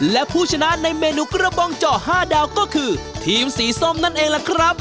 และผู้ชนะในเมนูกระบองเจาะ๕ดาวก็คือทีมสีส้มนั่นเองล่ะครับ